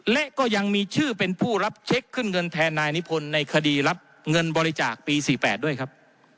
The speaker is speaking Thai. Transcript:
และก็ยังมีชื่อเป็นผู้รับเช็คขึ้นเงินแทนนายนิพนธ์ในคดีรับเงินบริจาคปี๔๘ด้วยครับ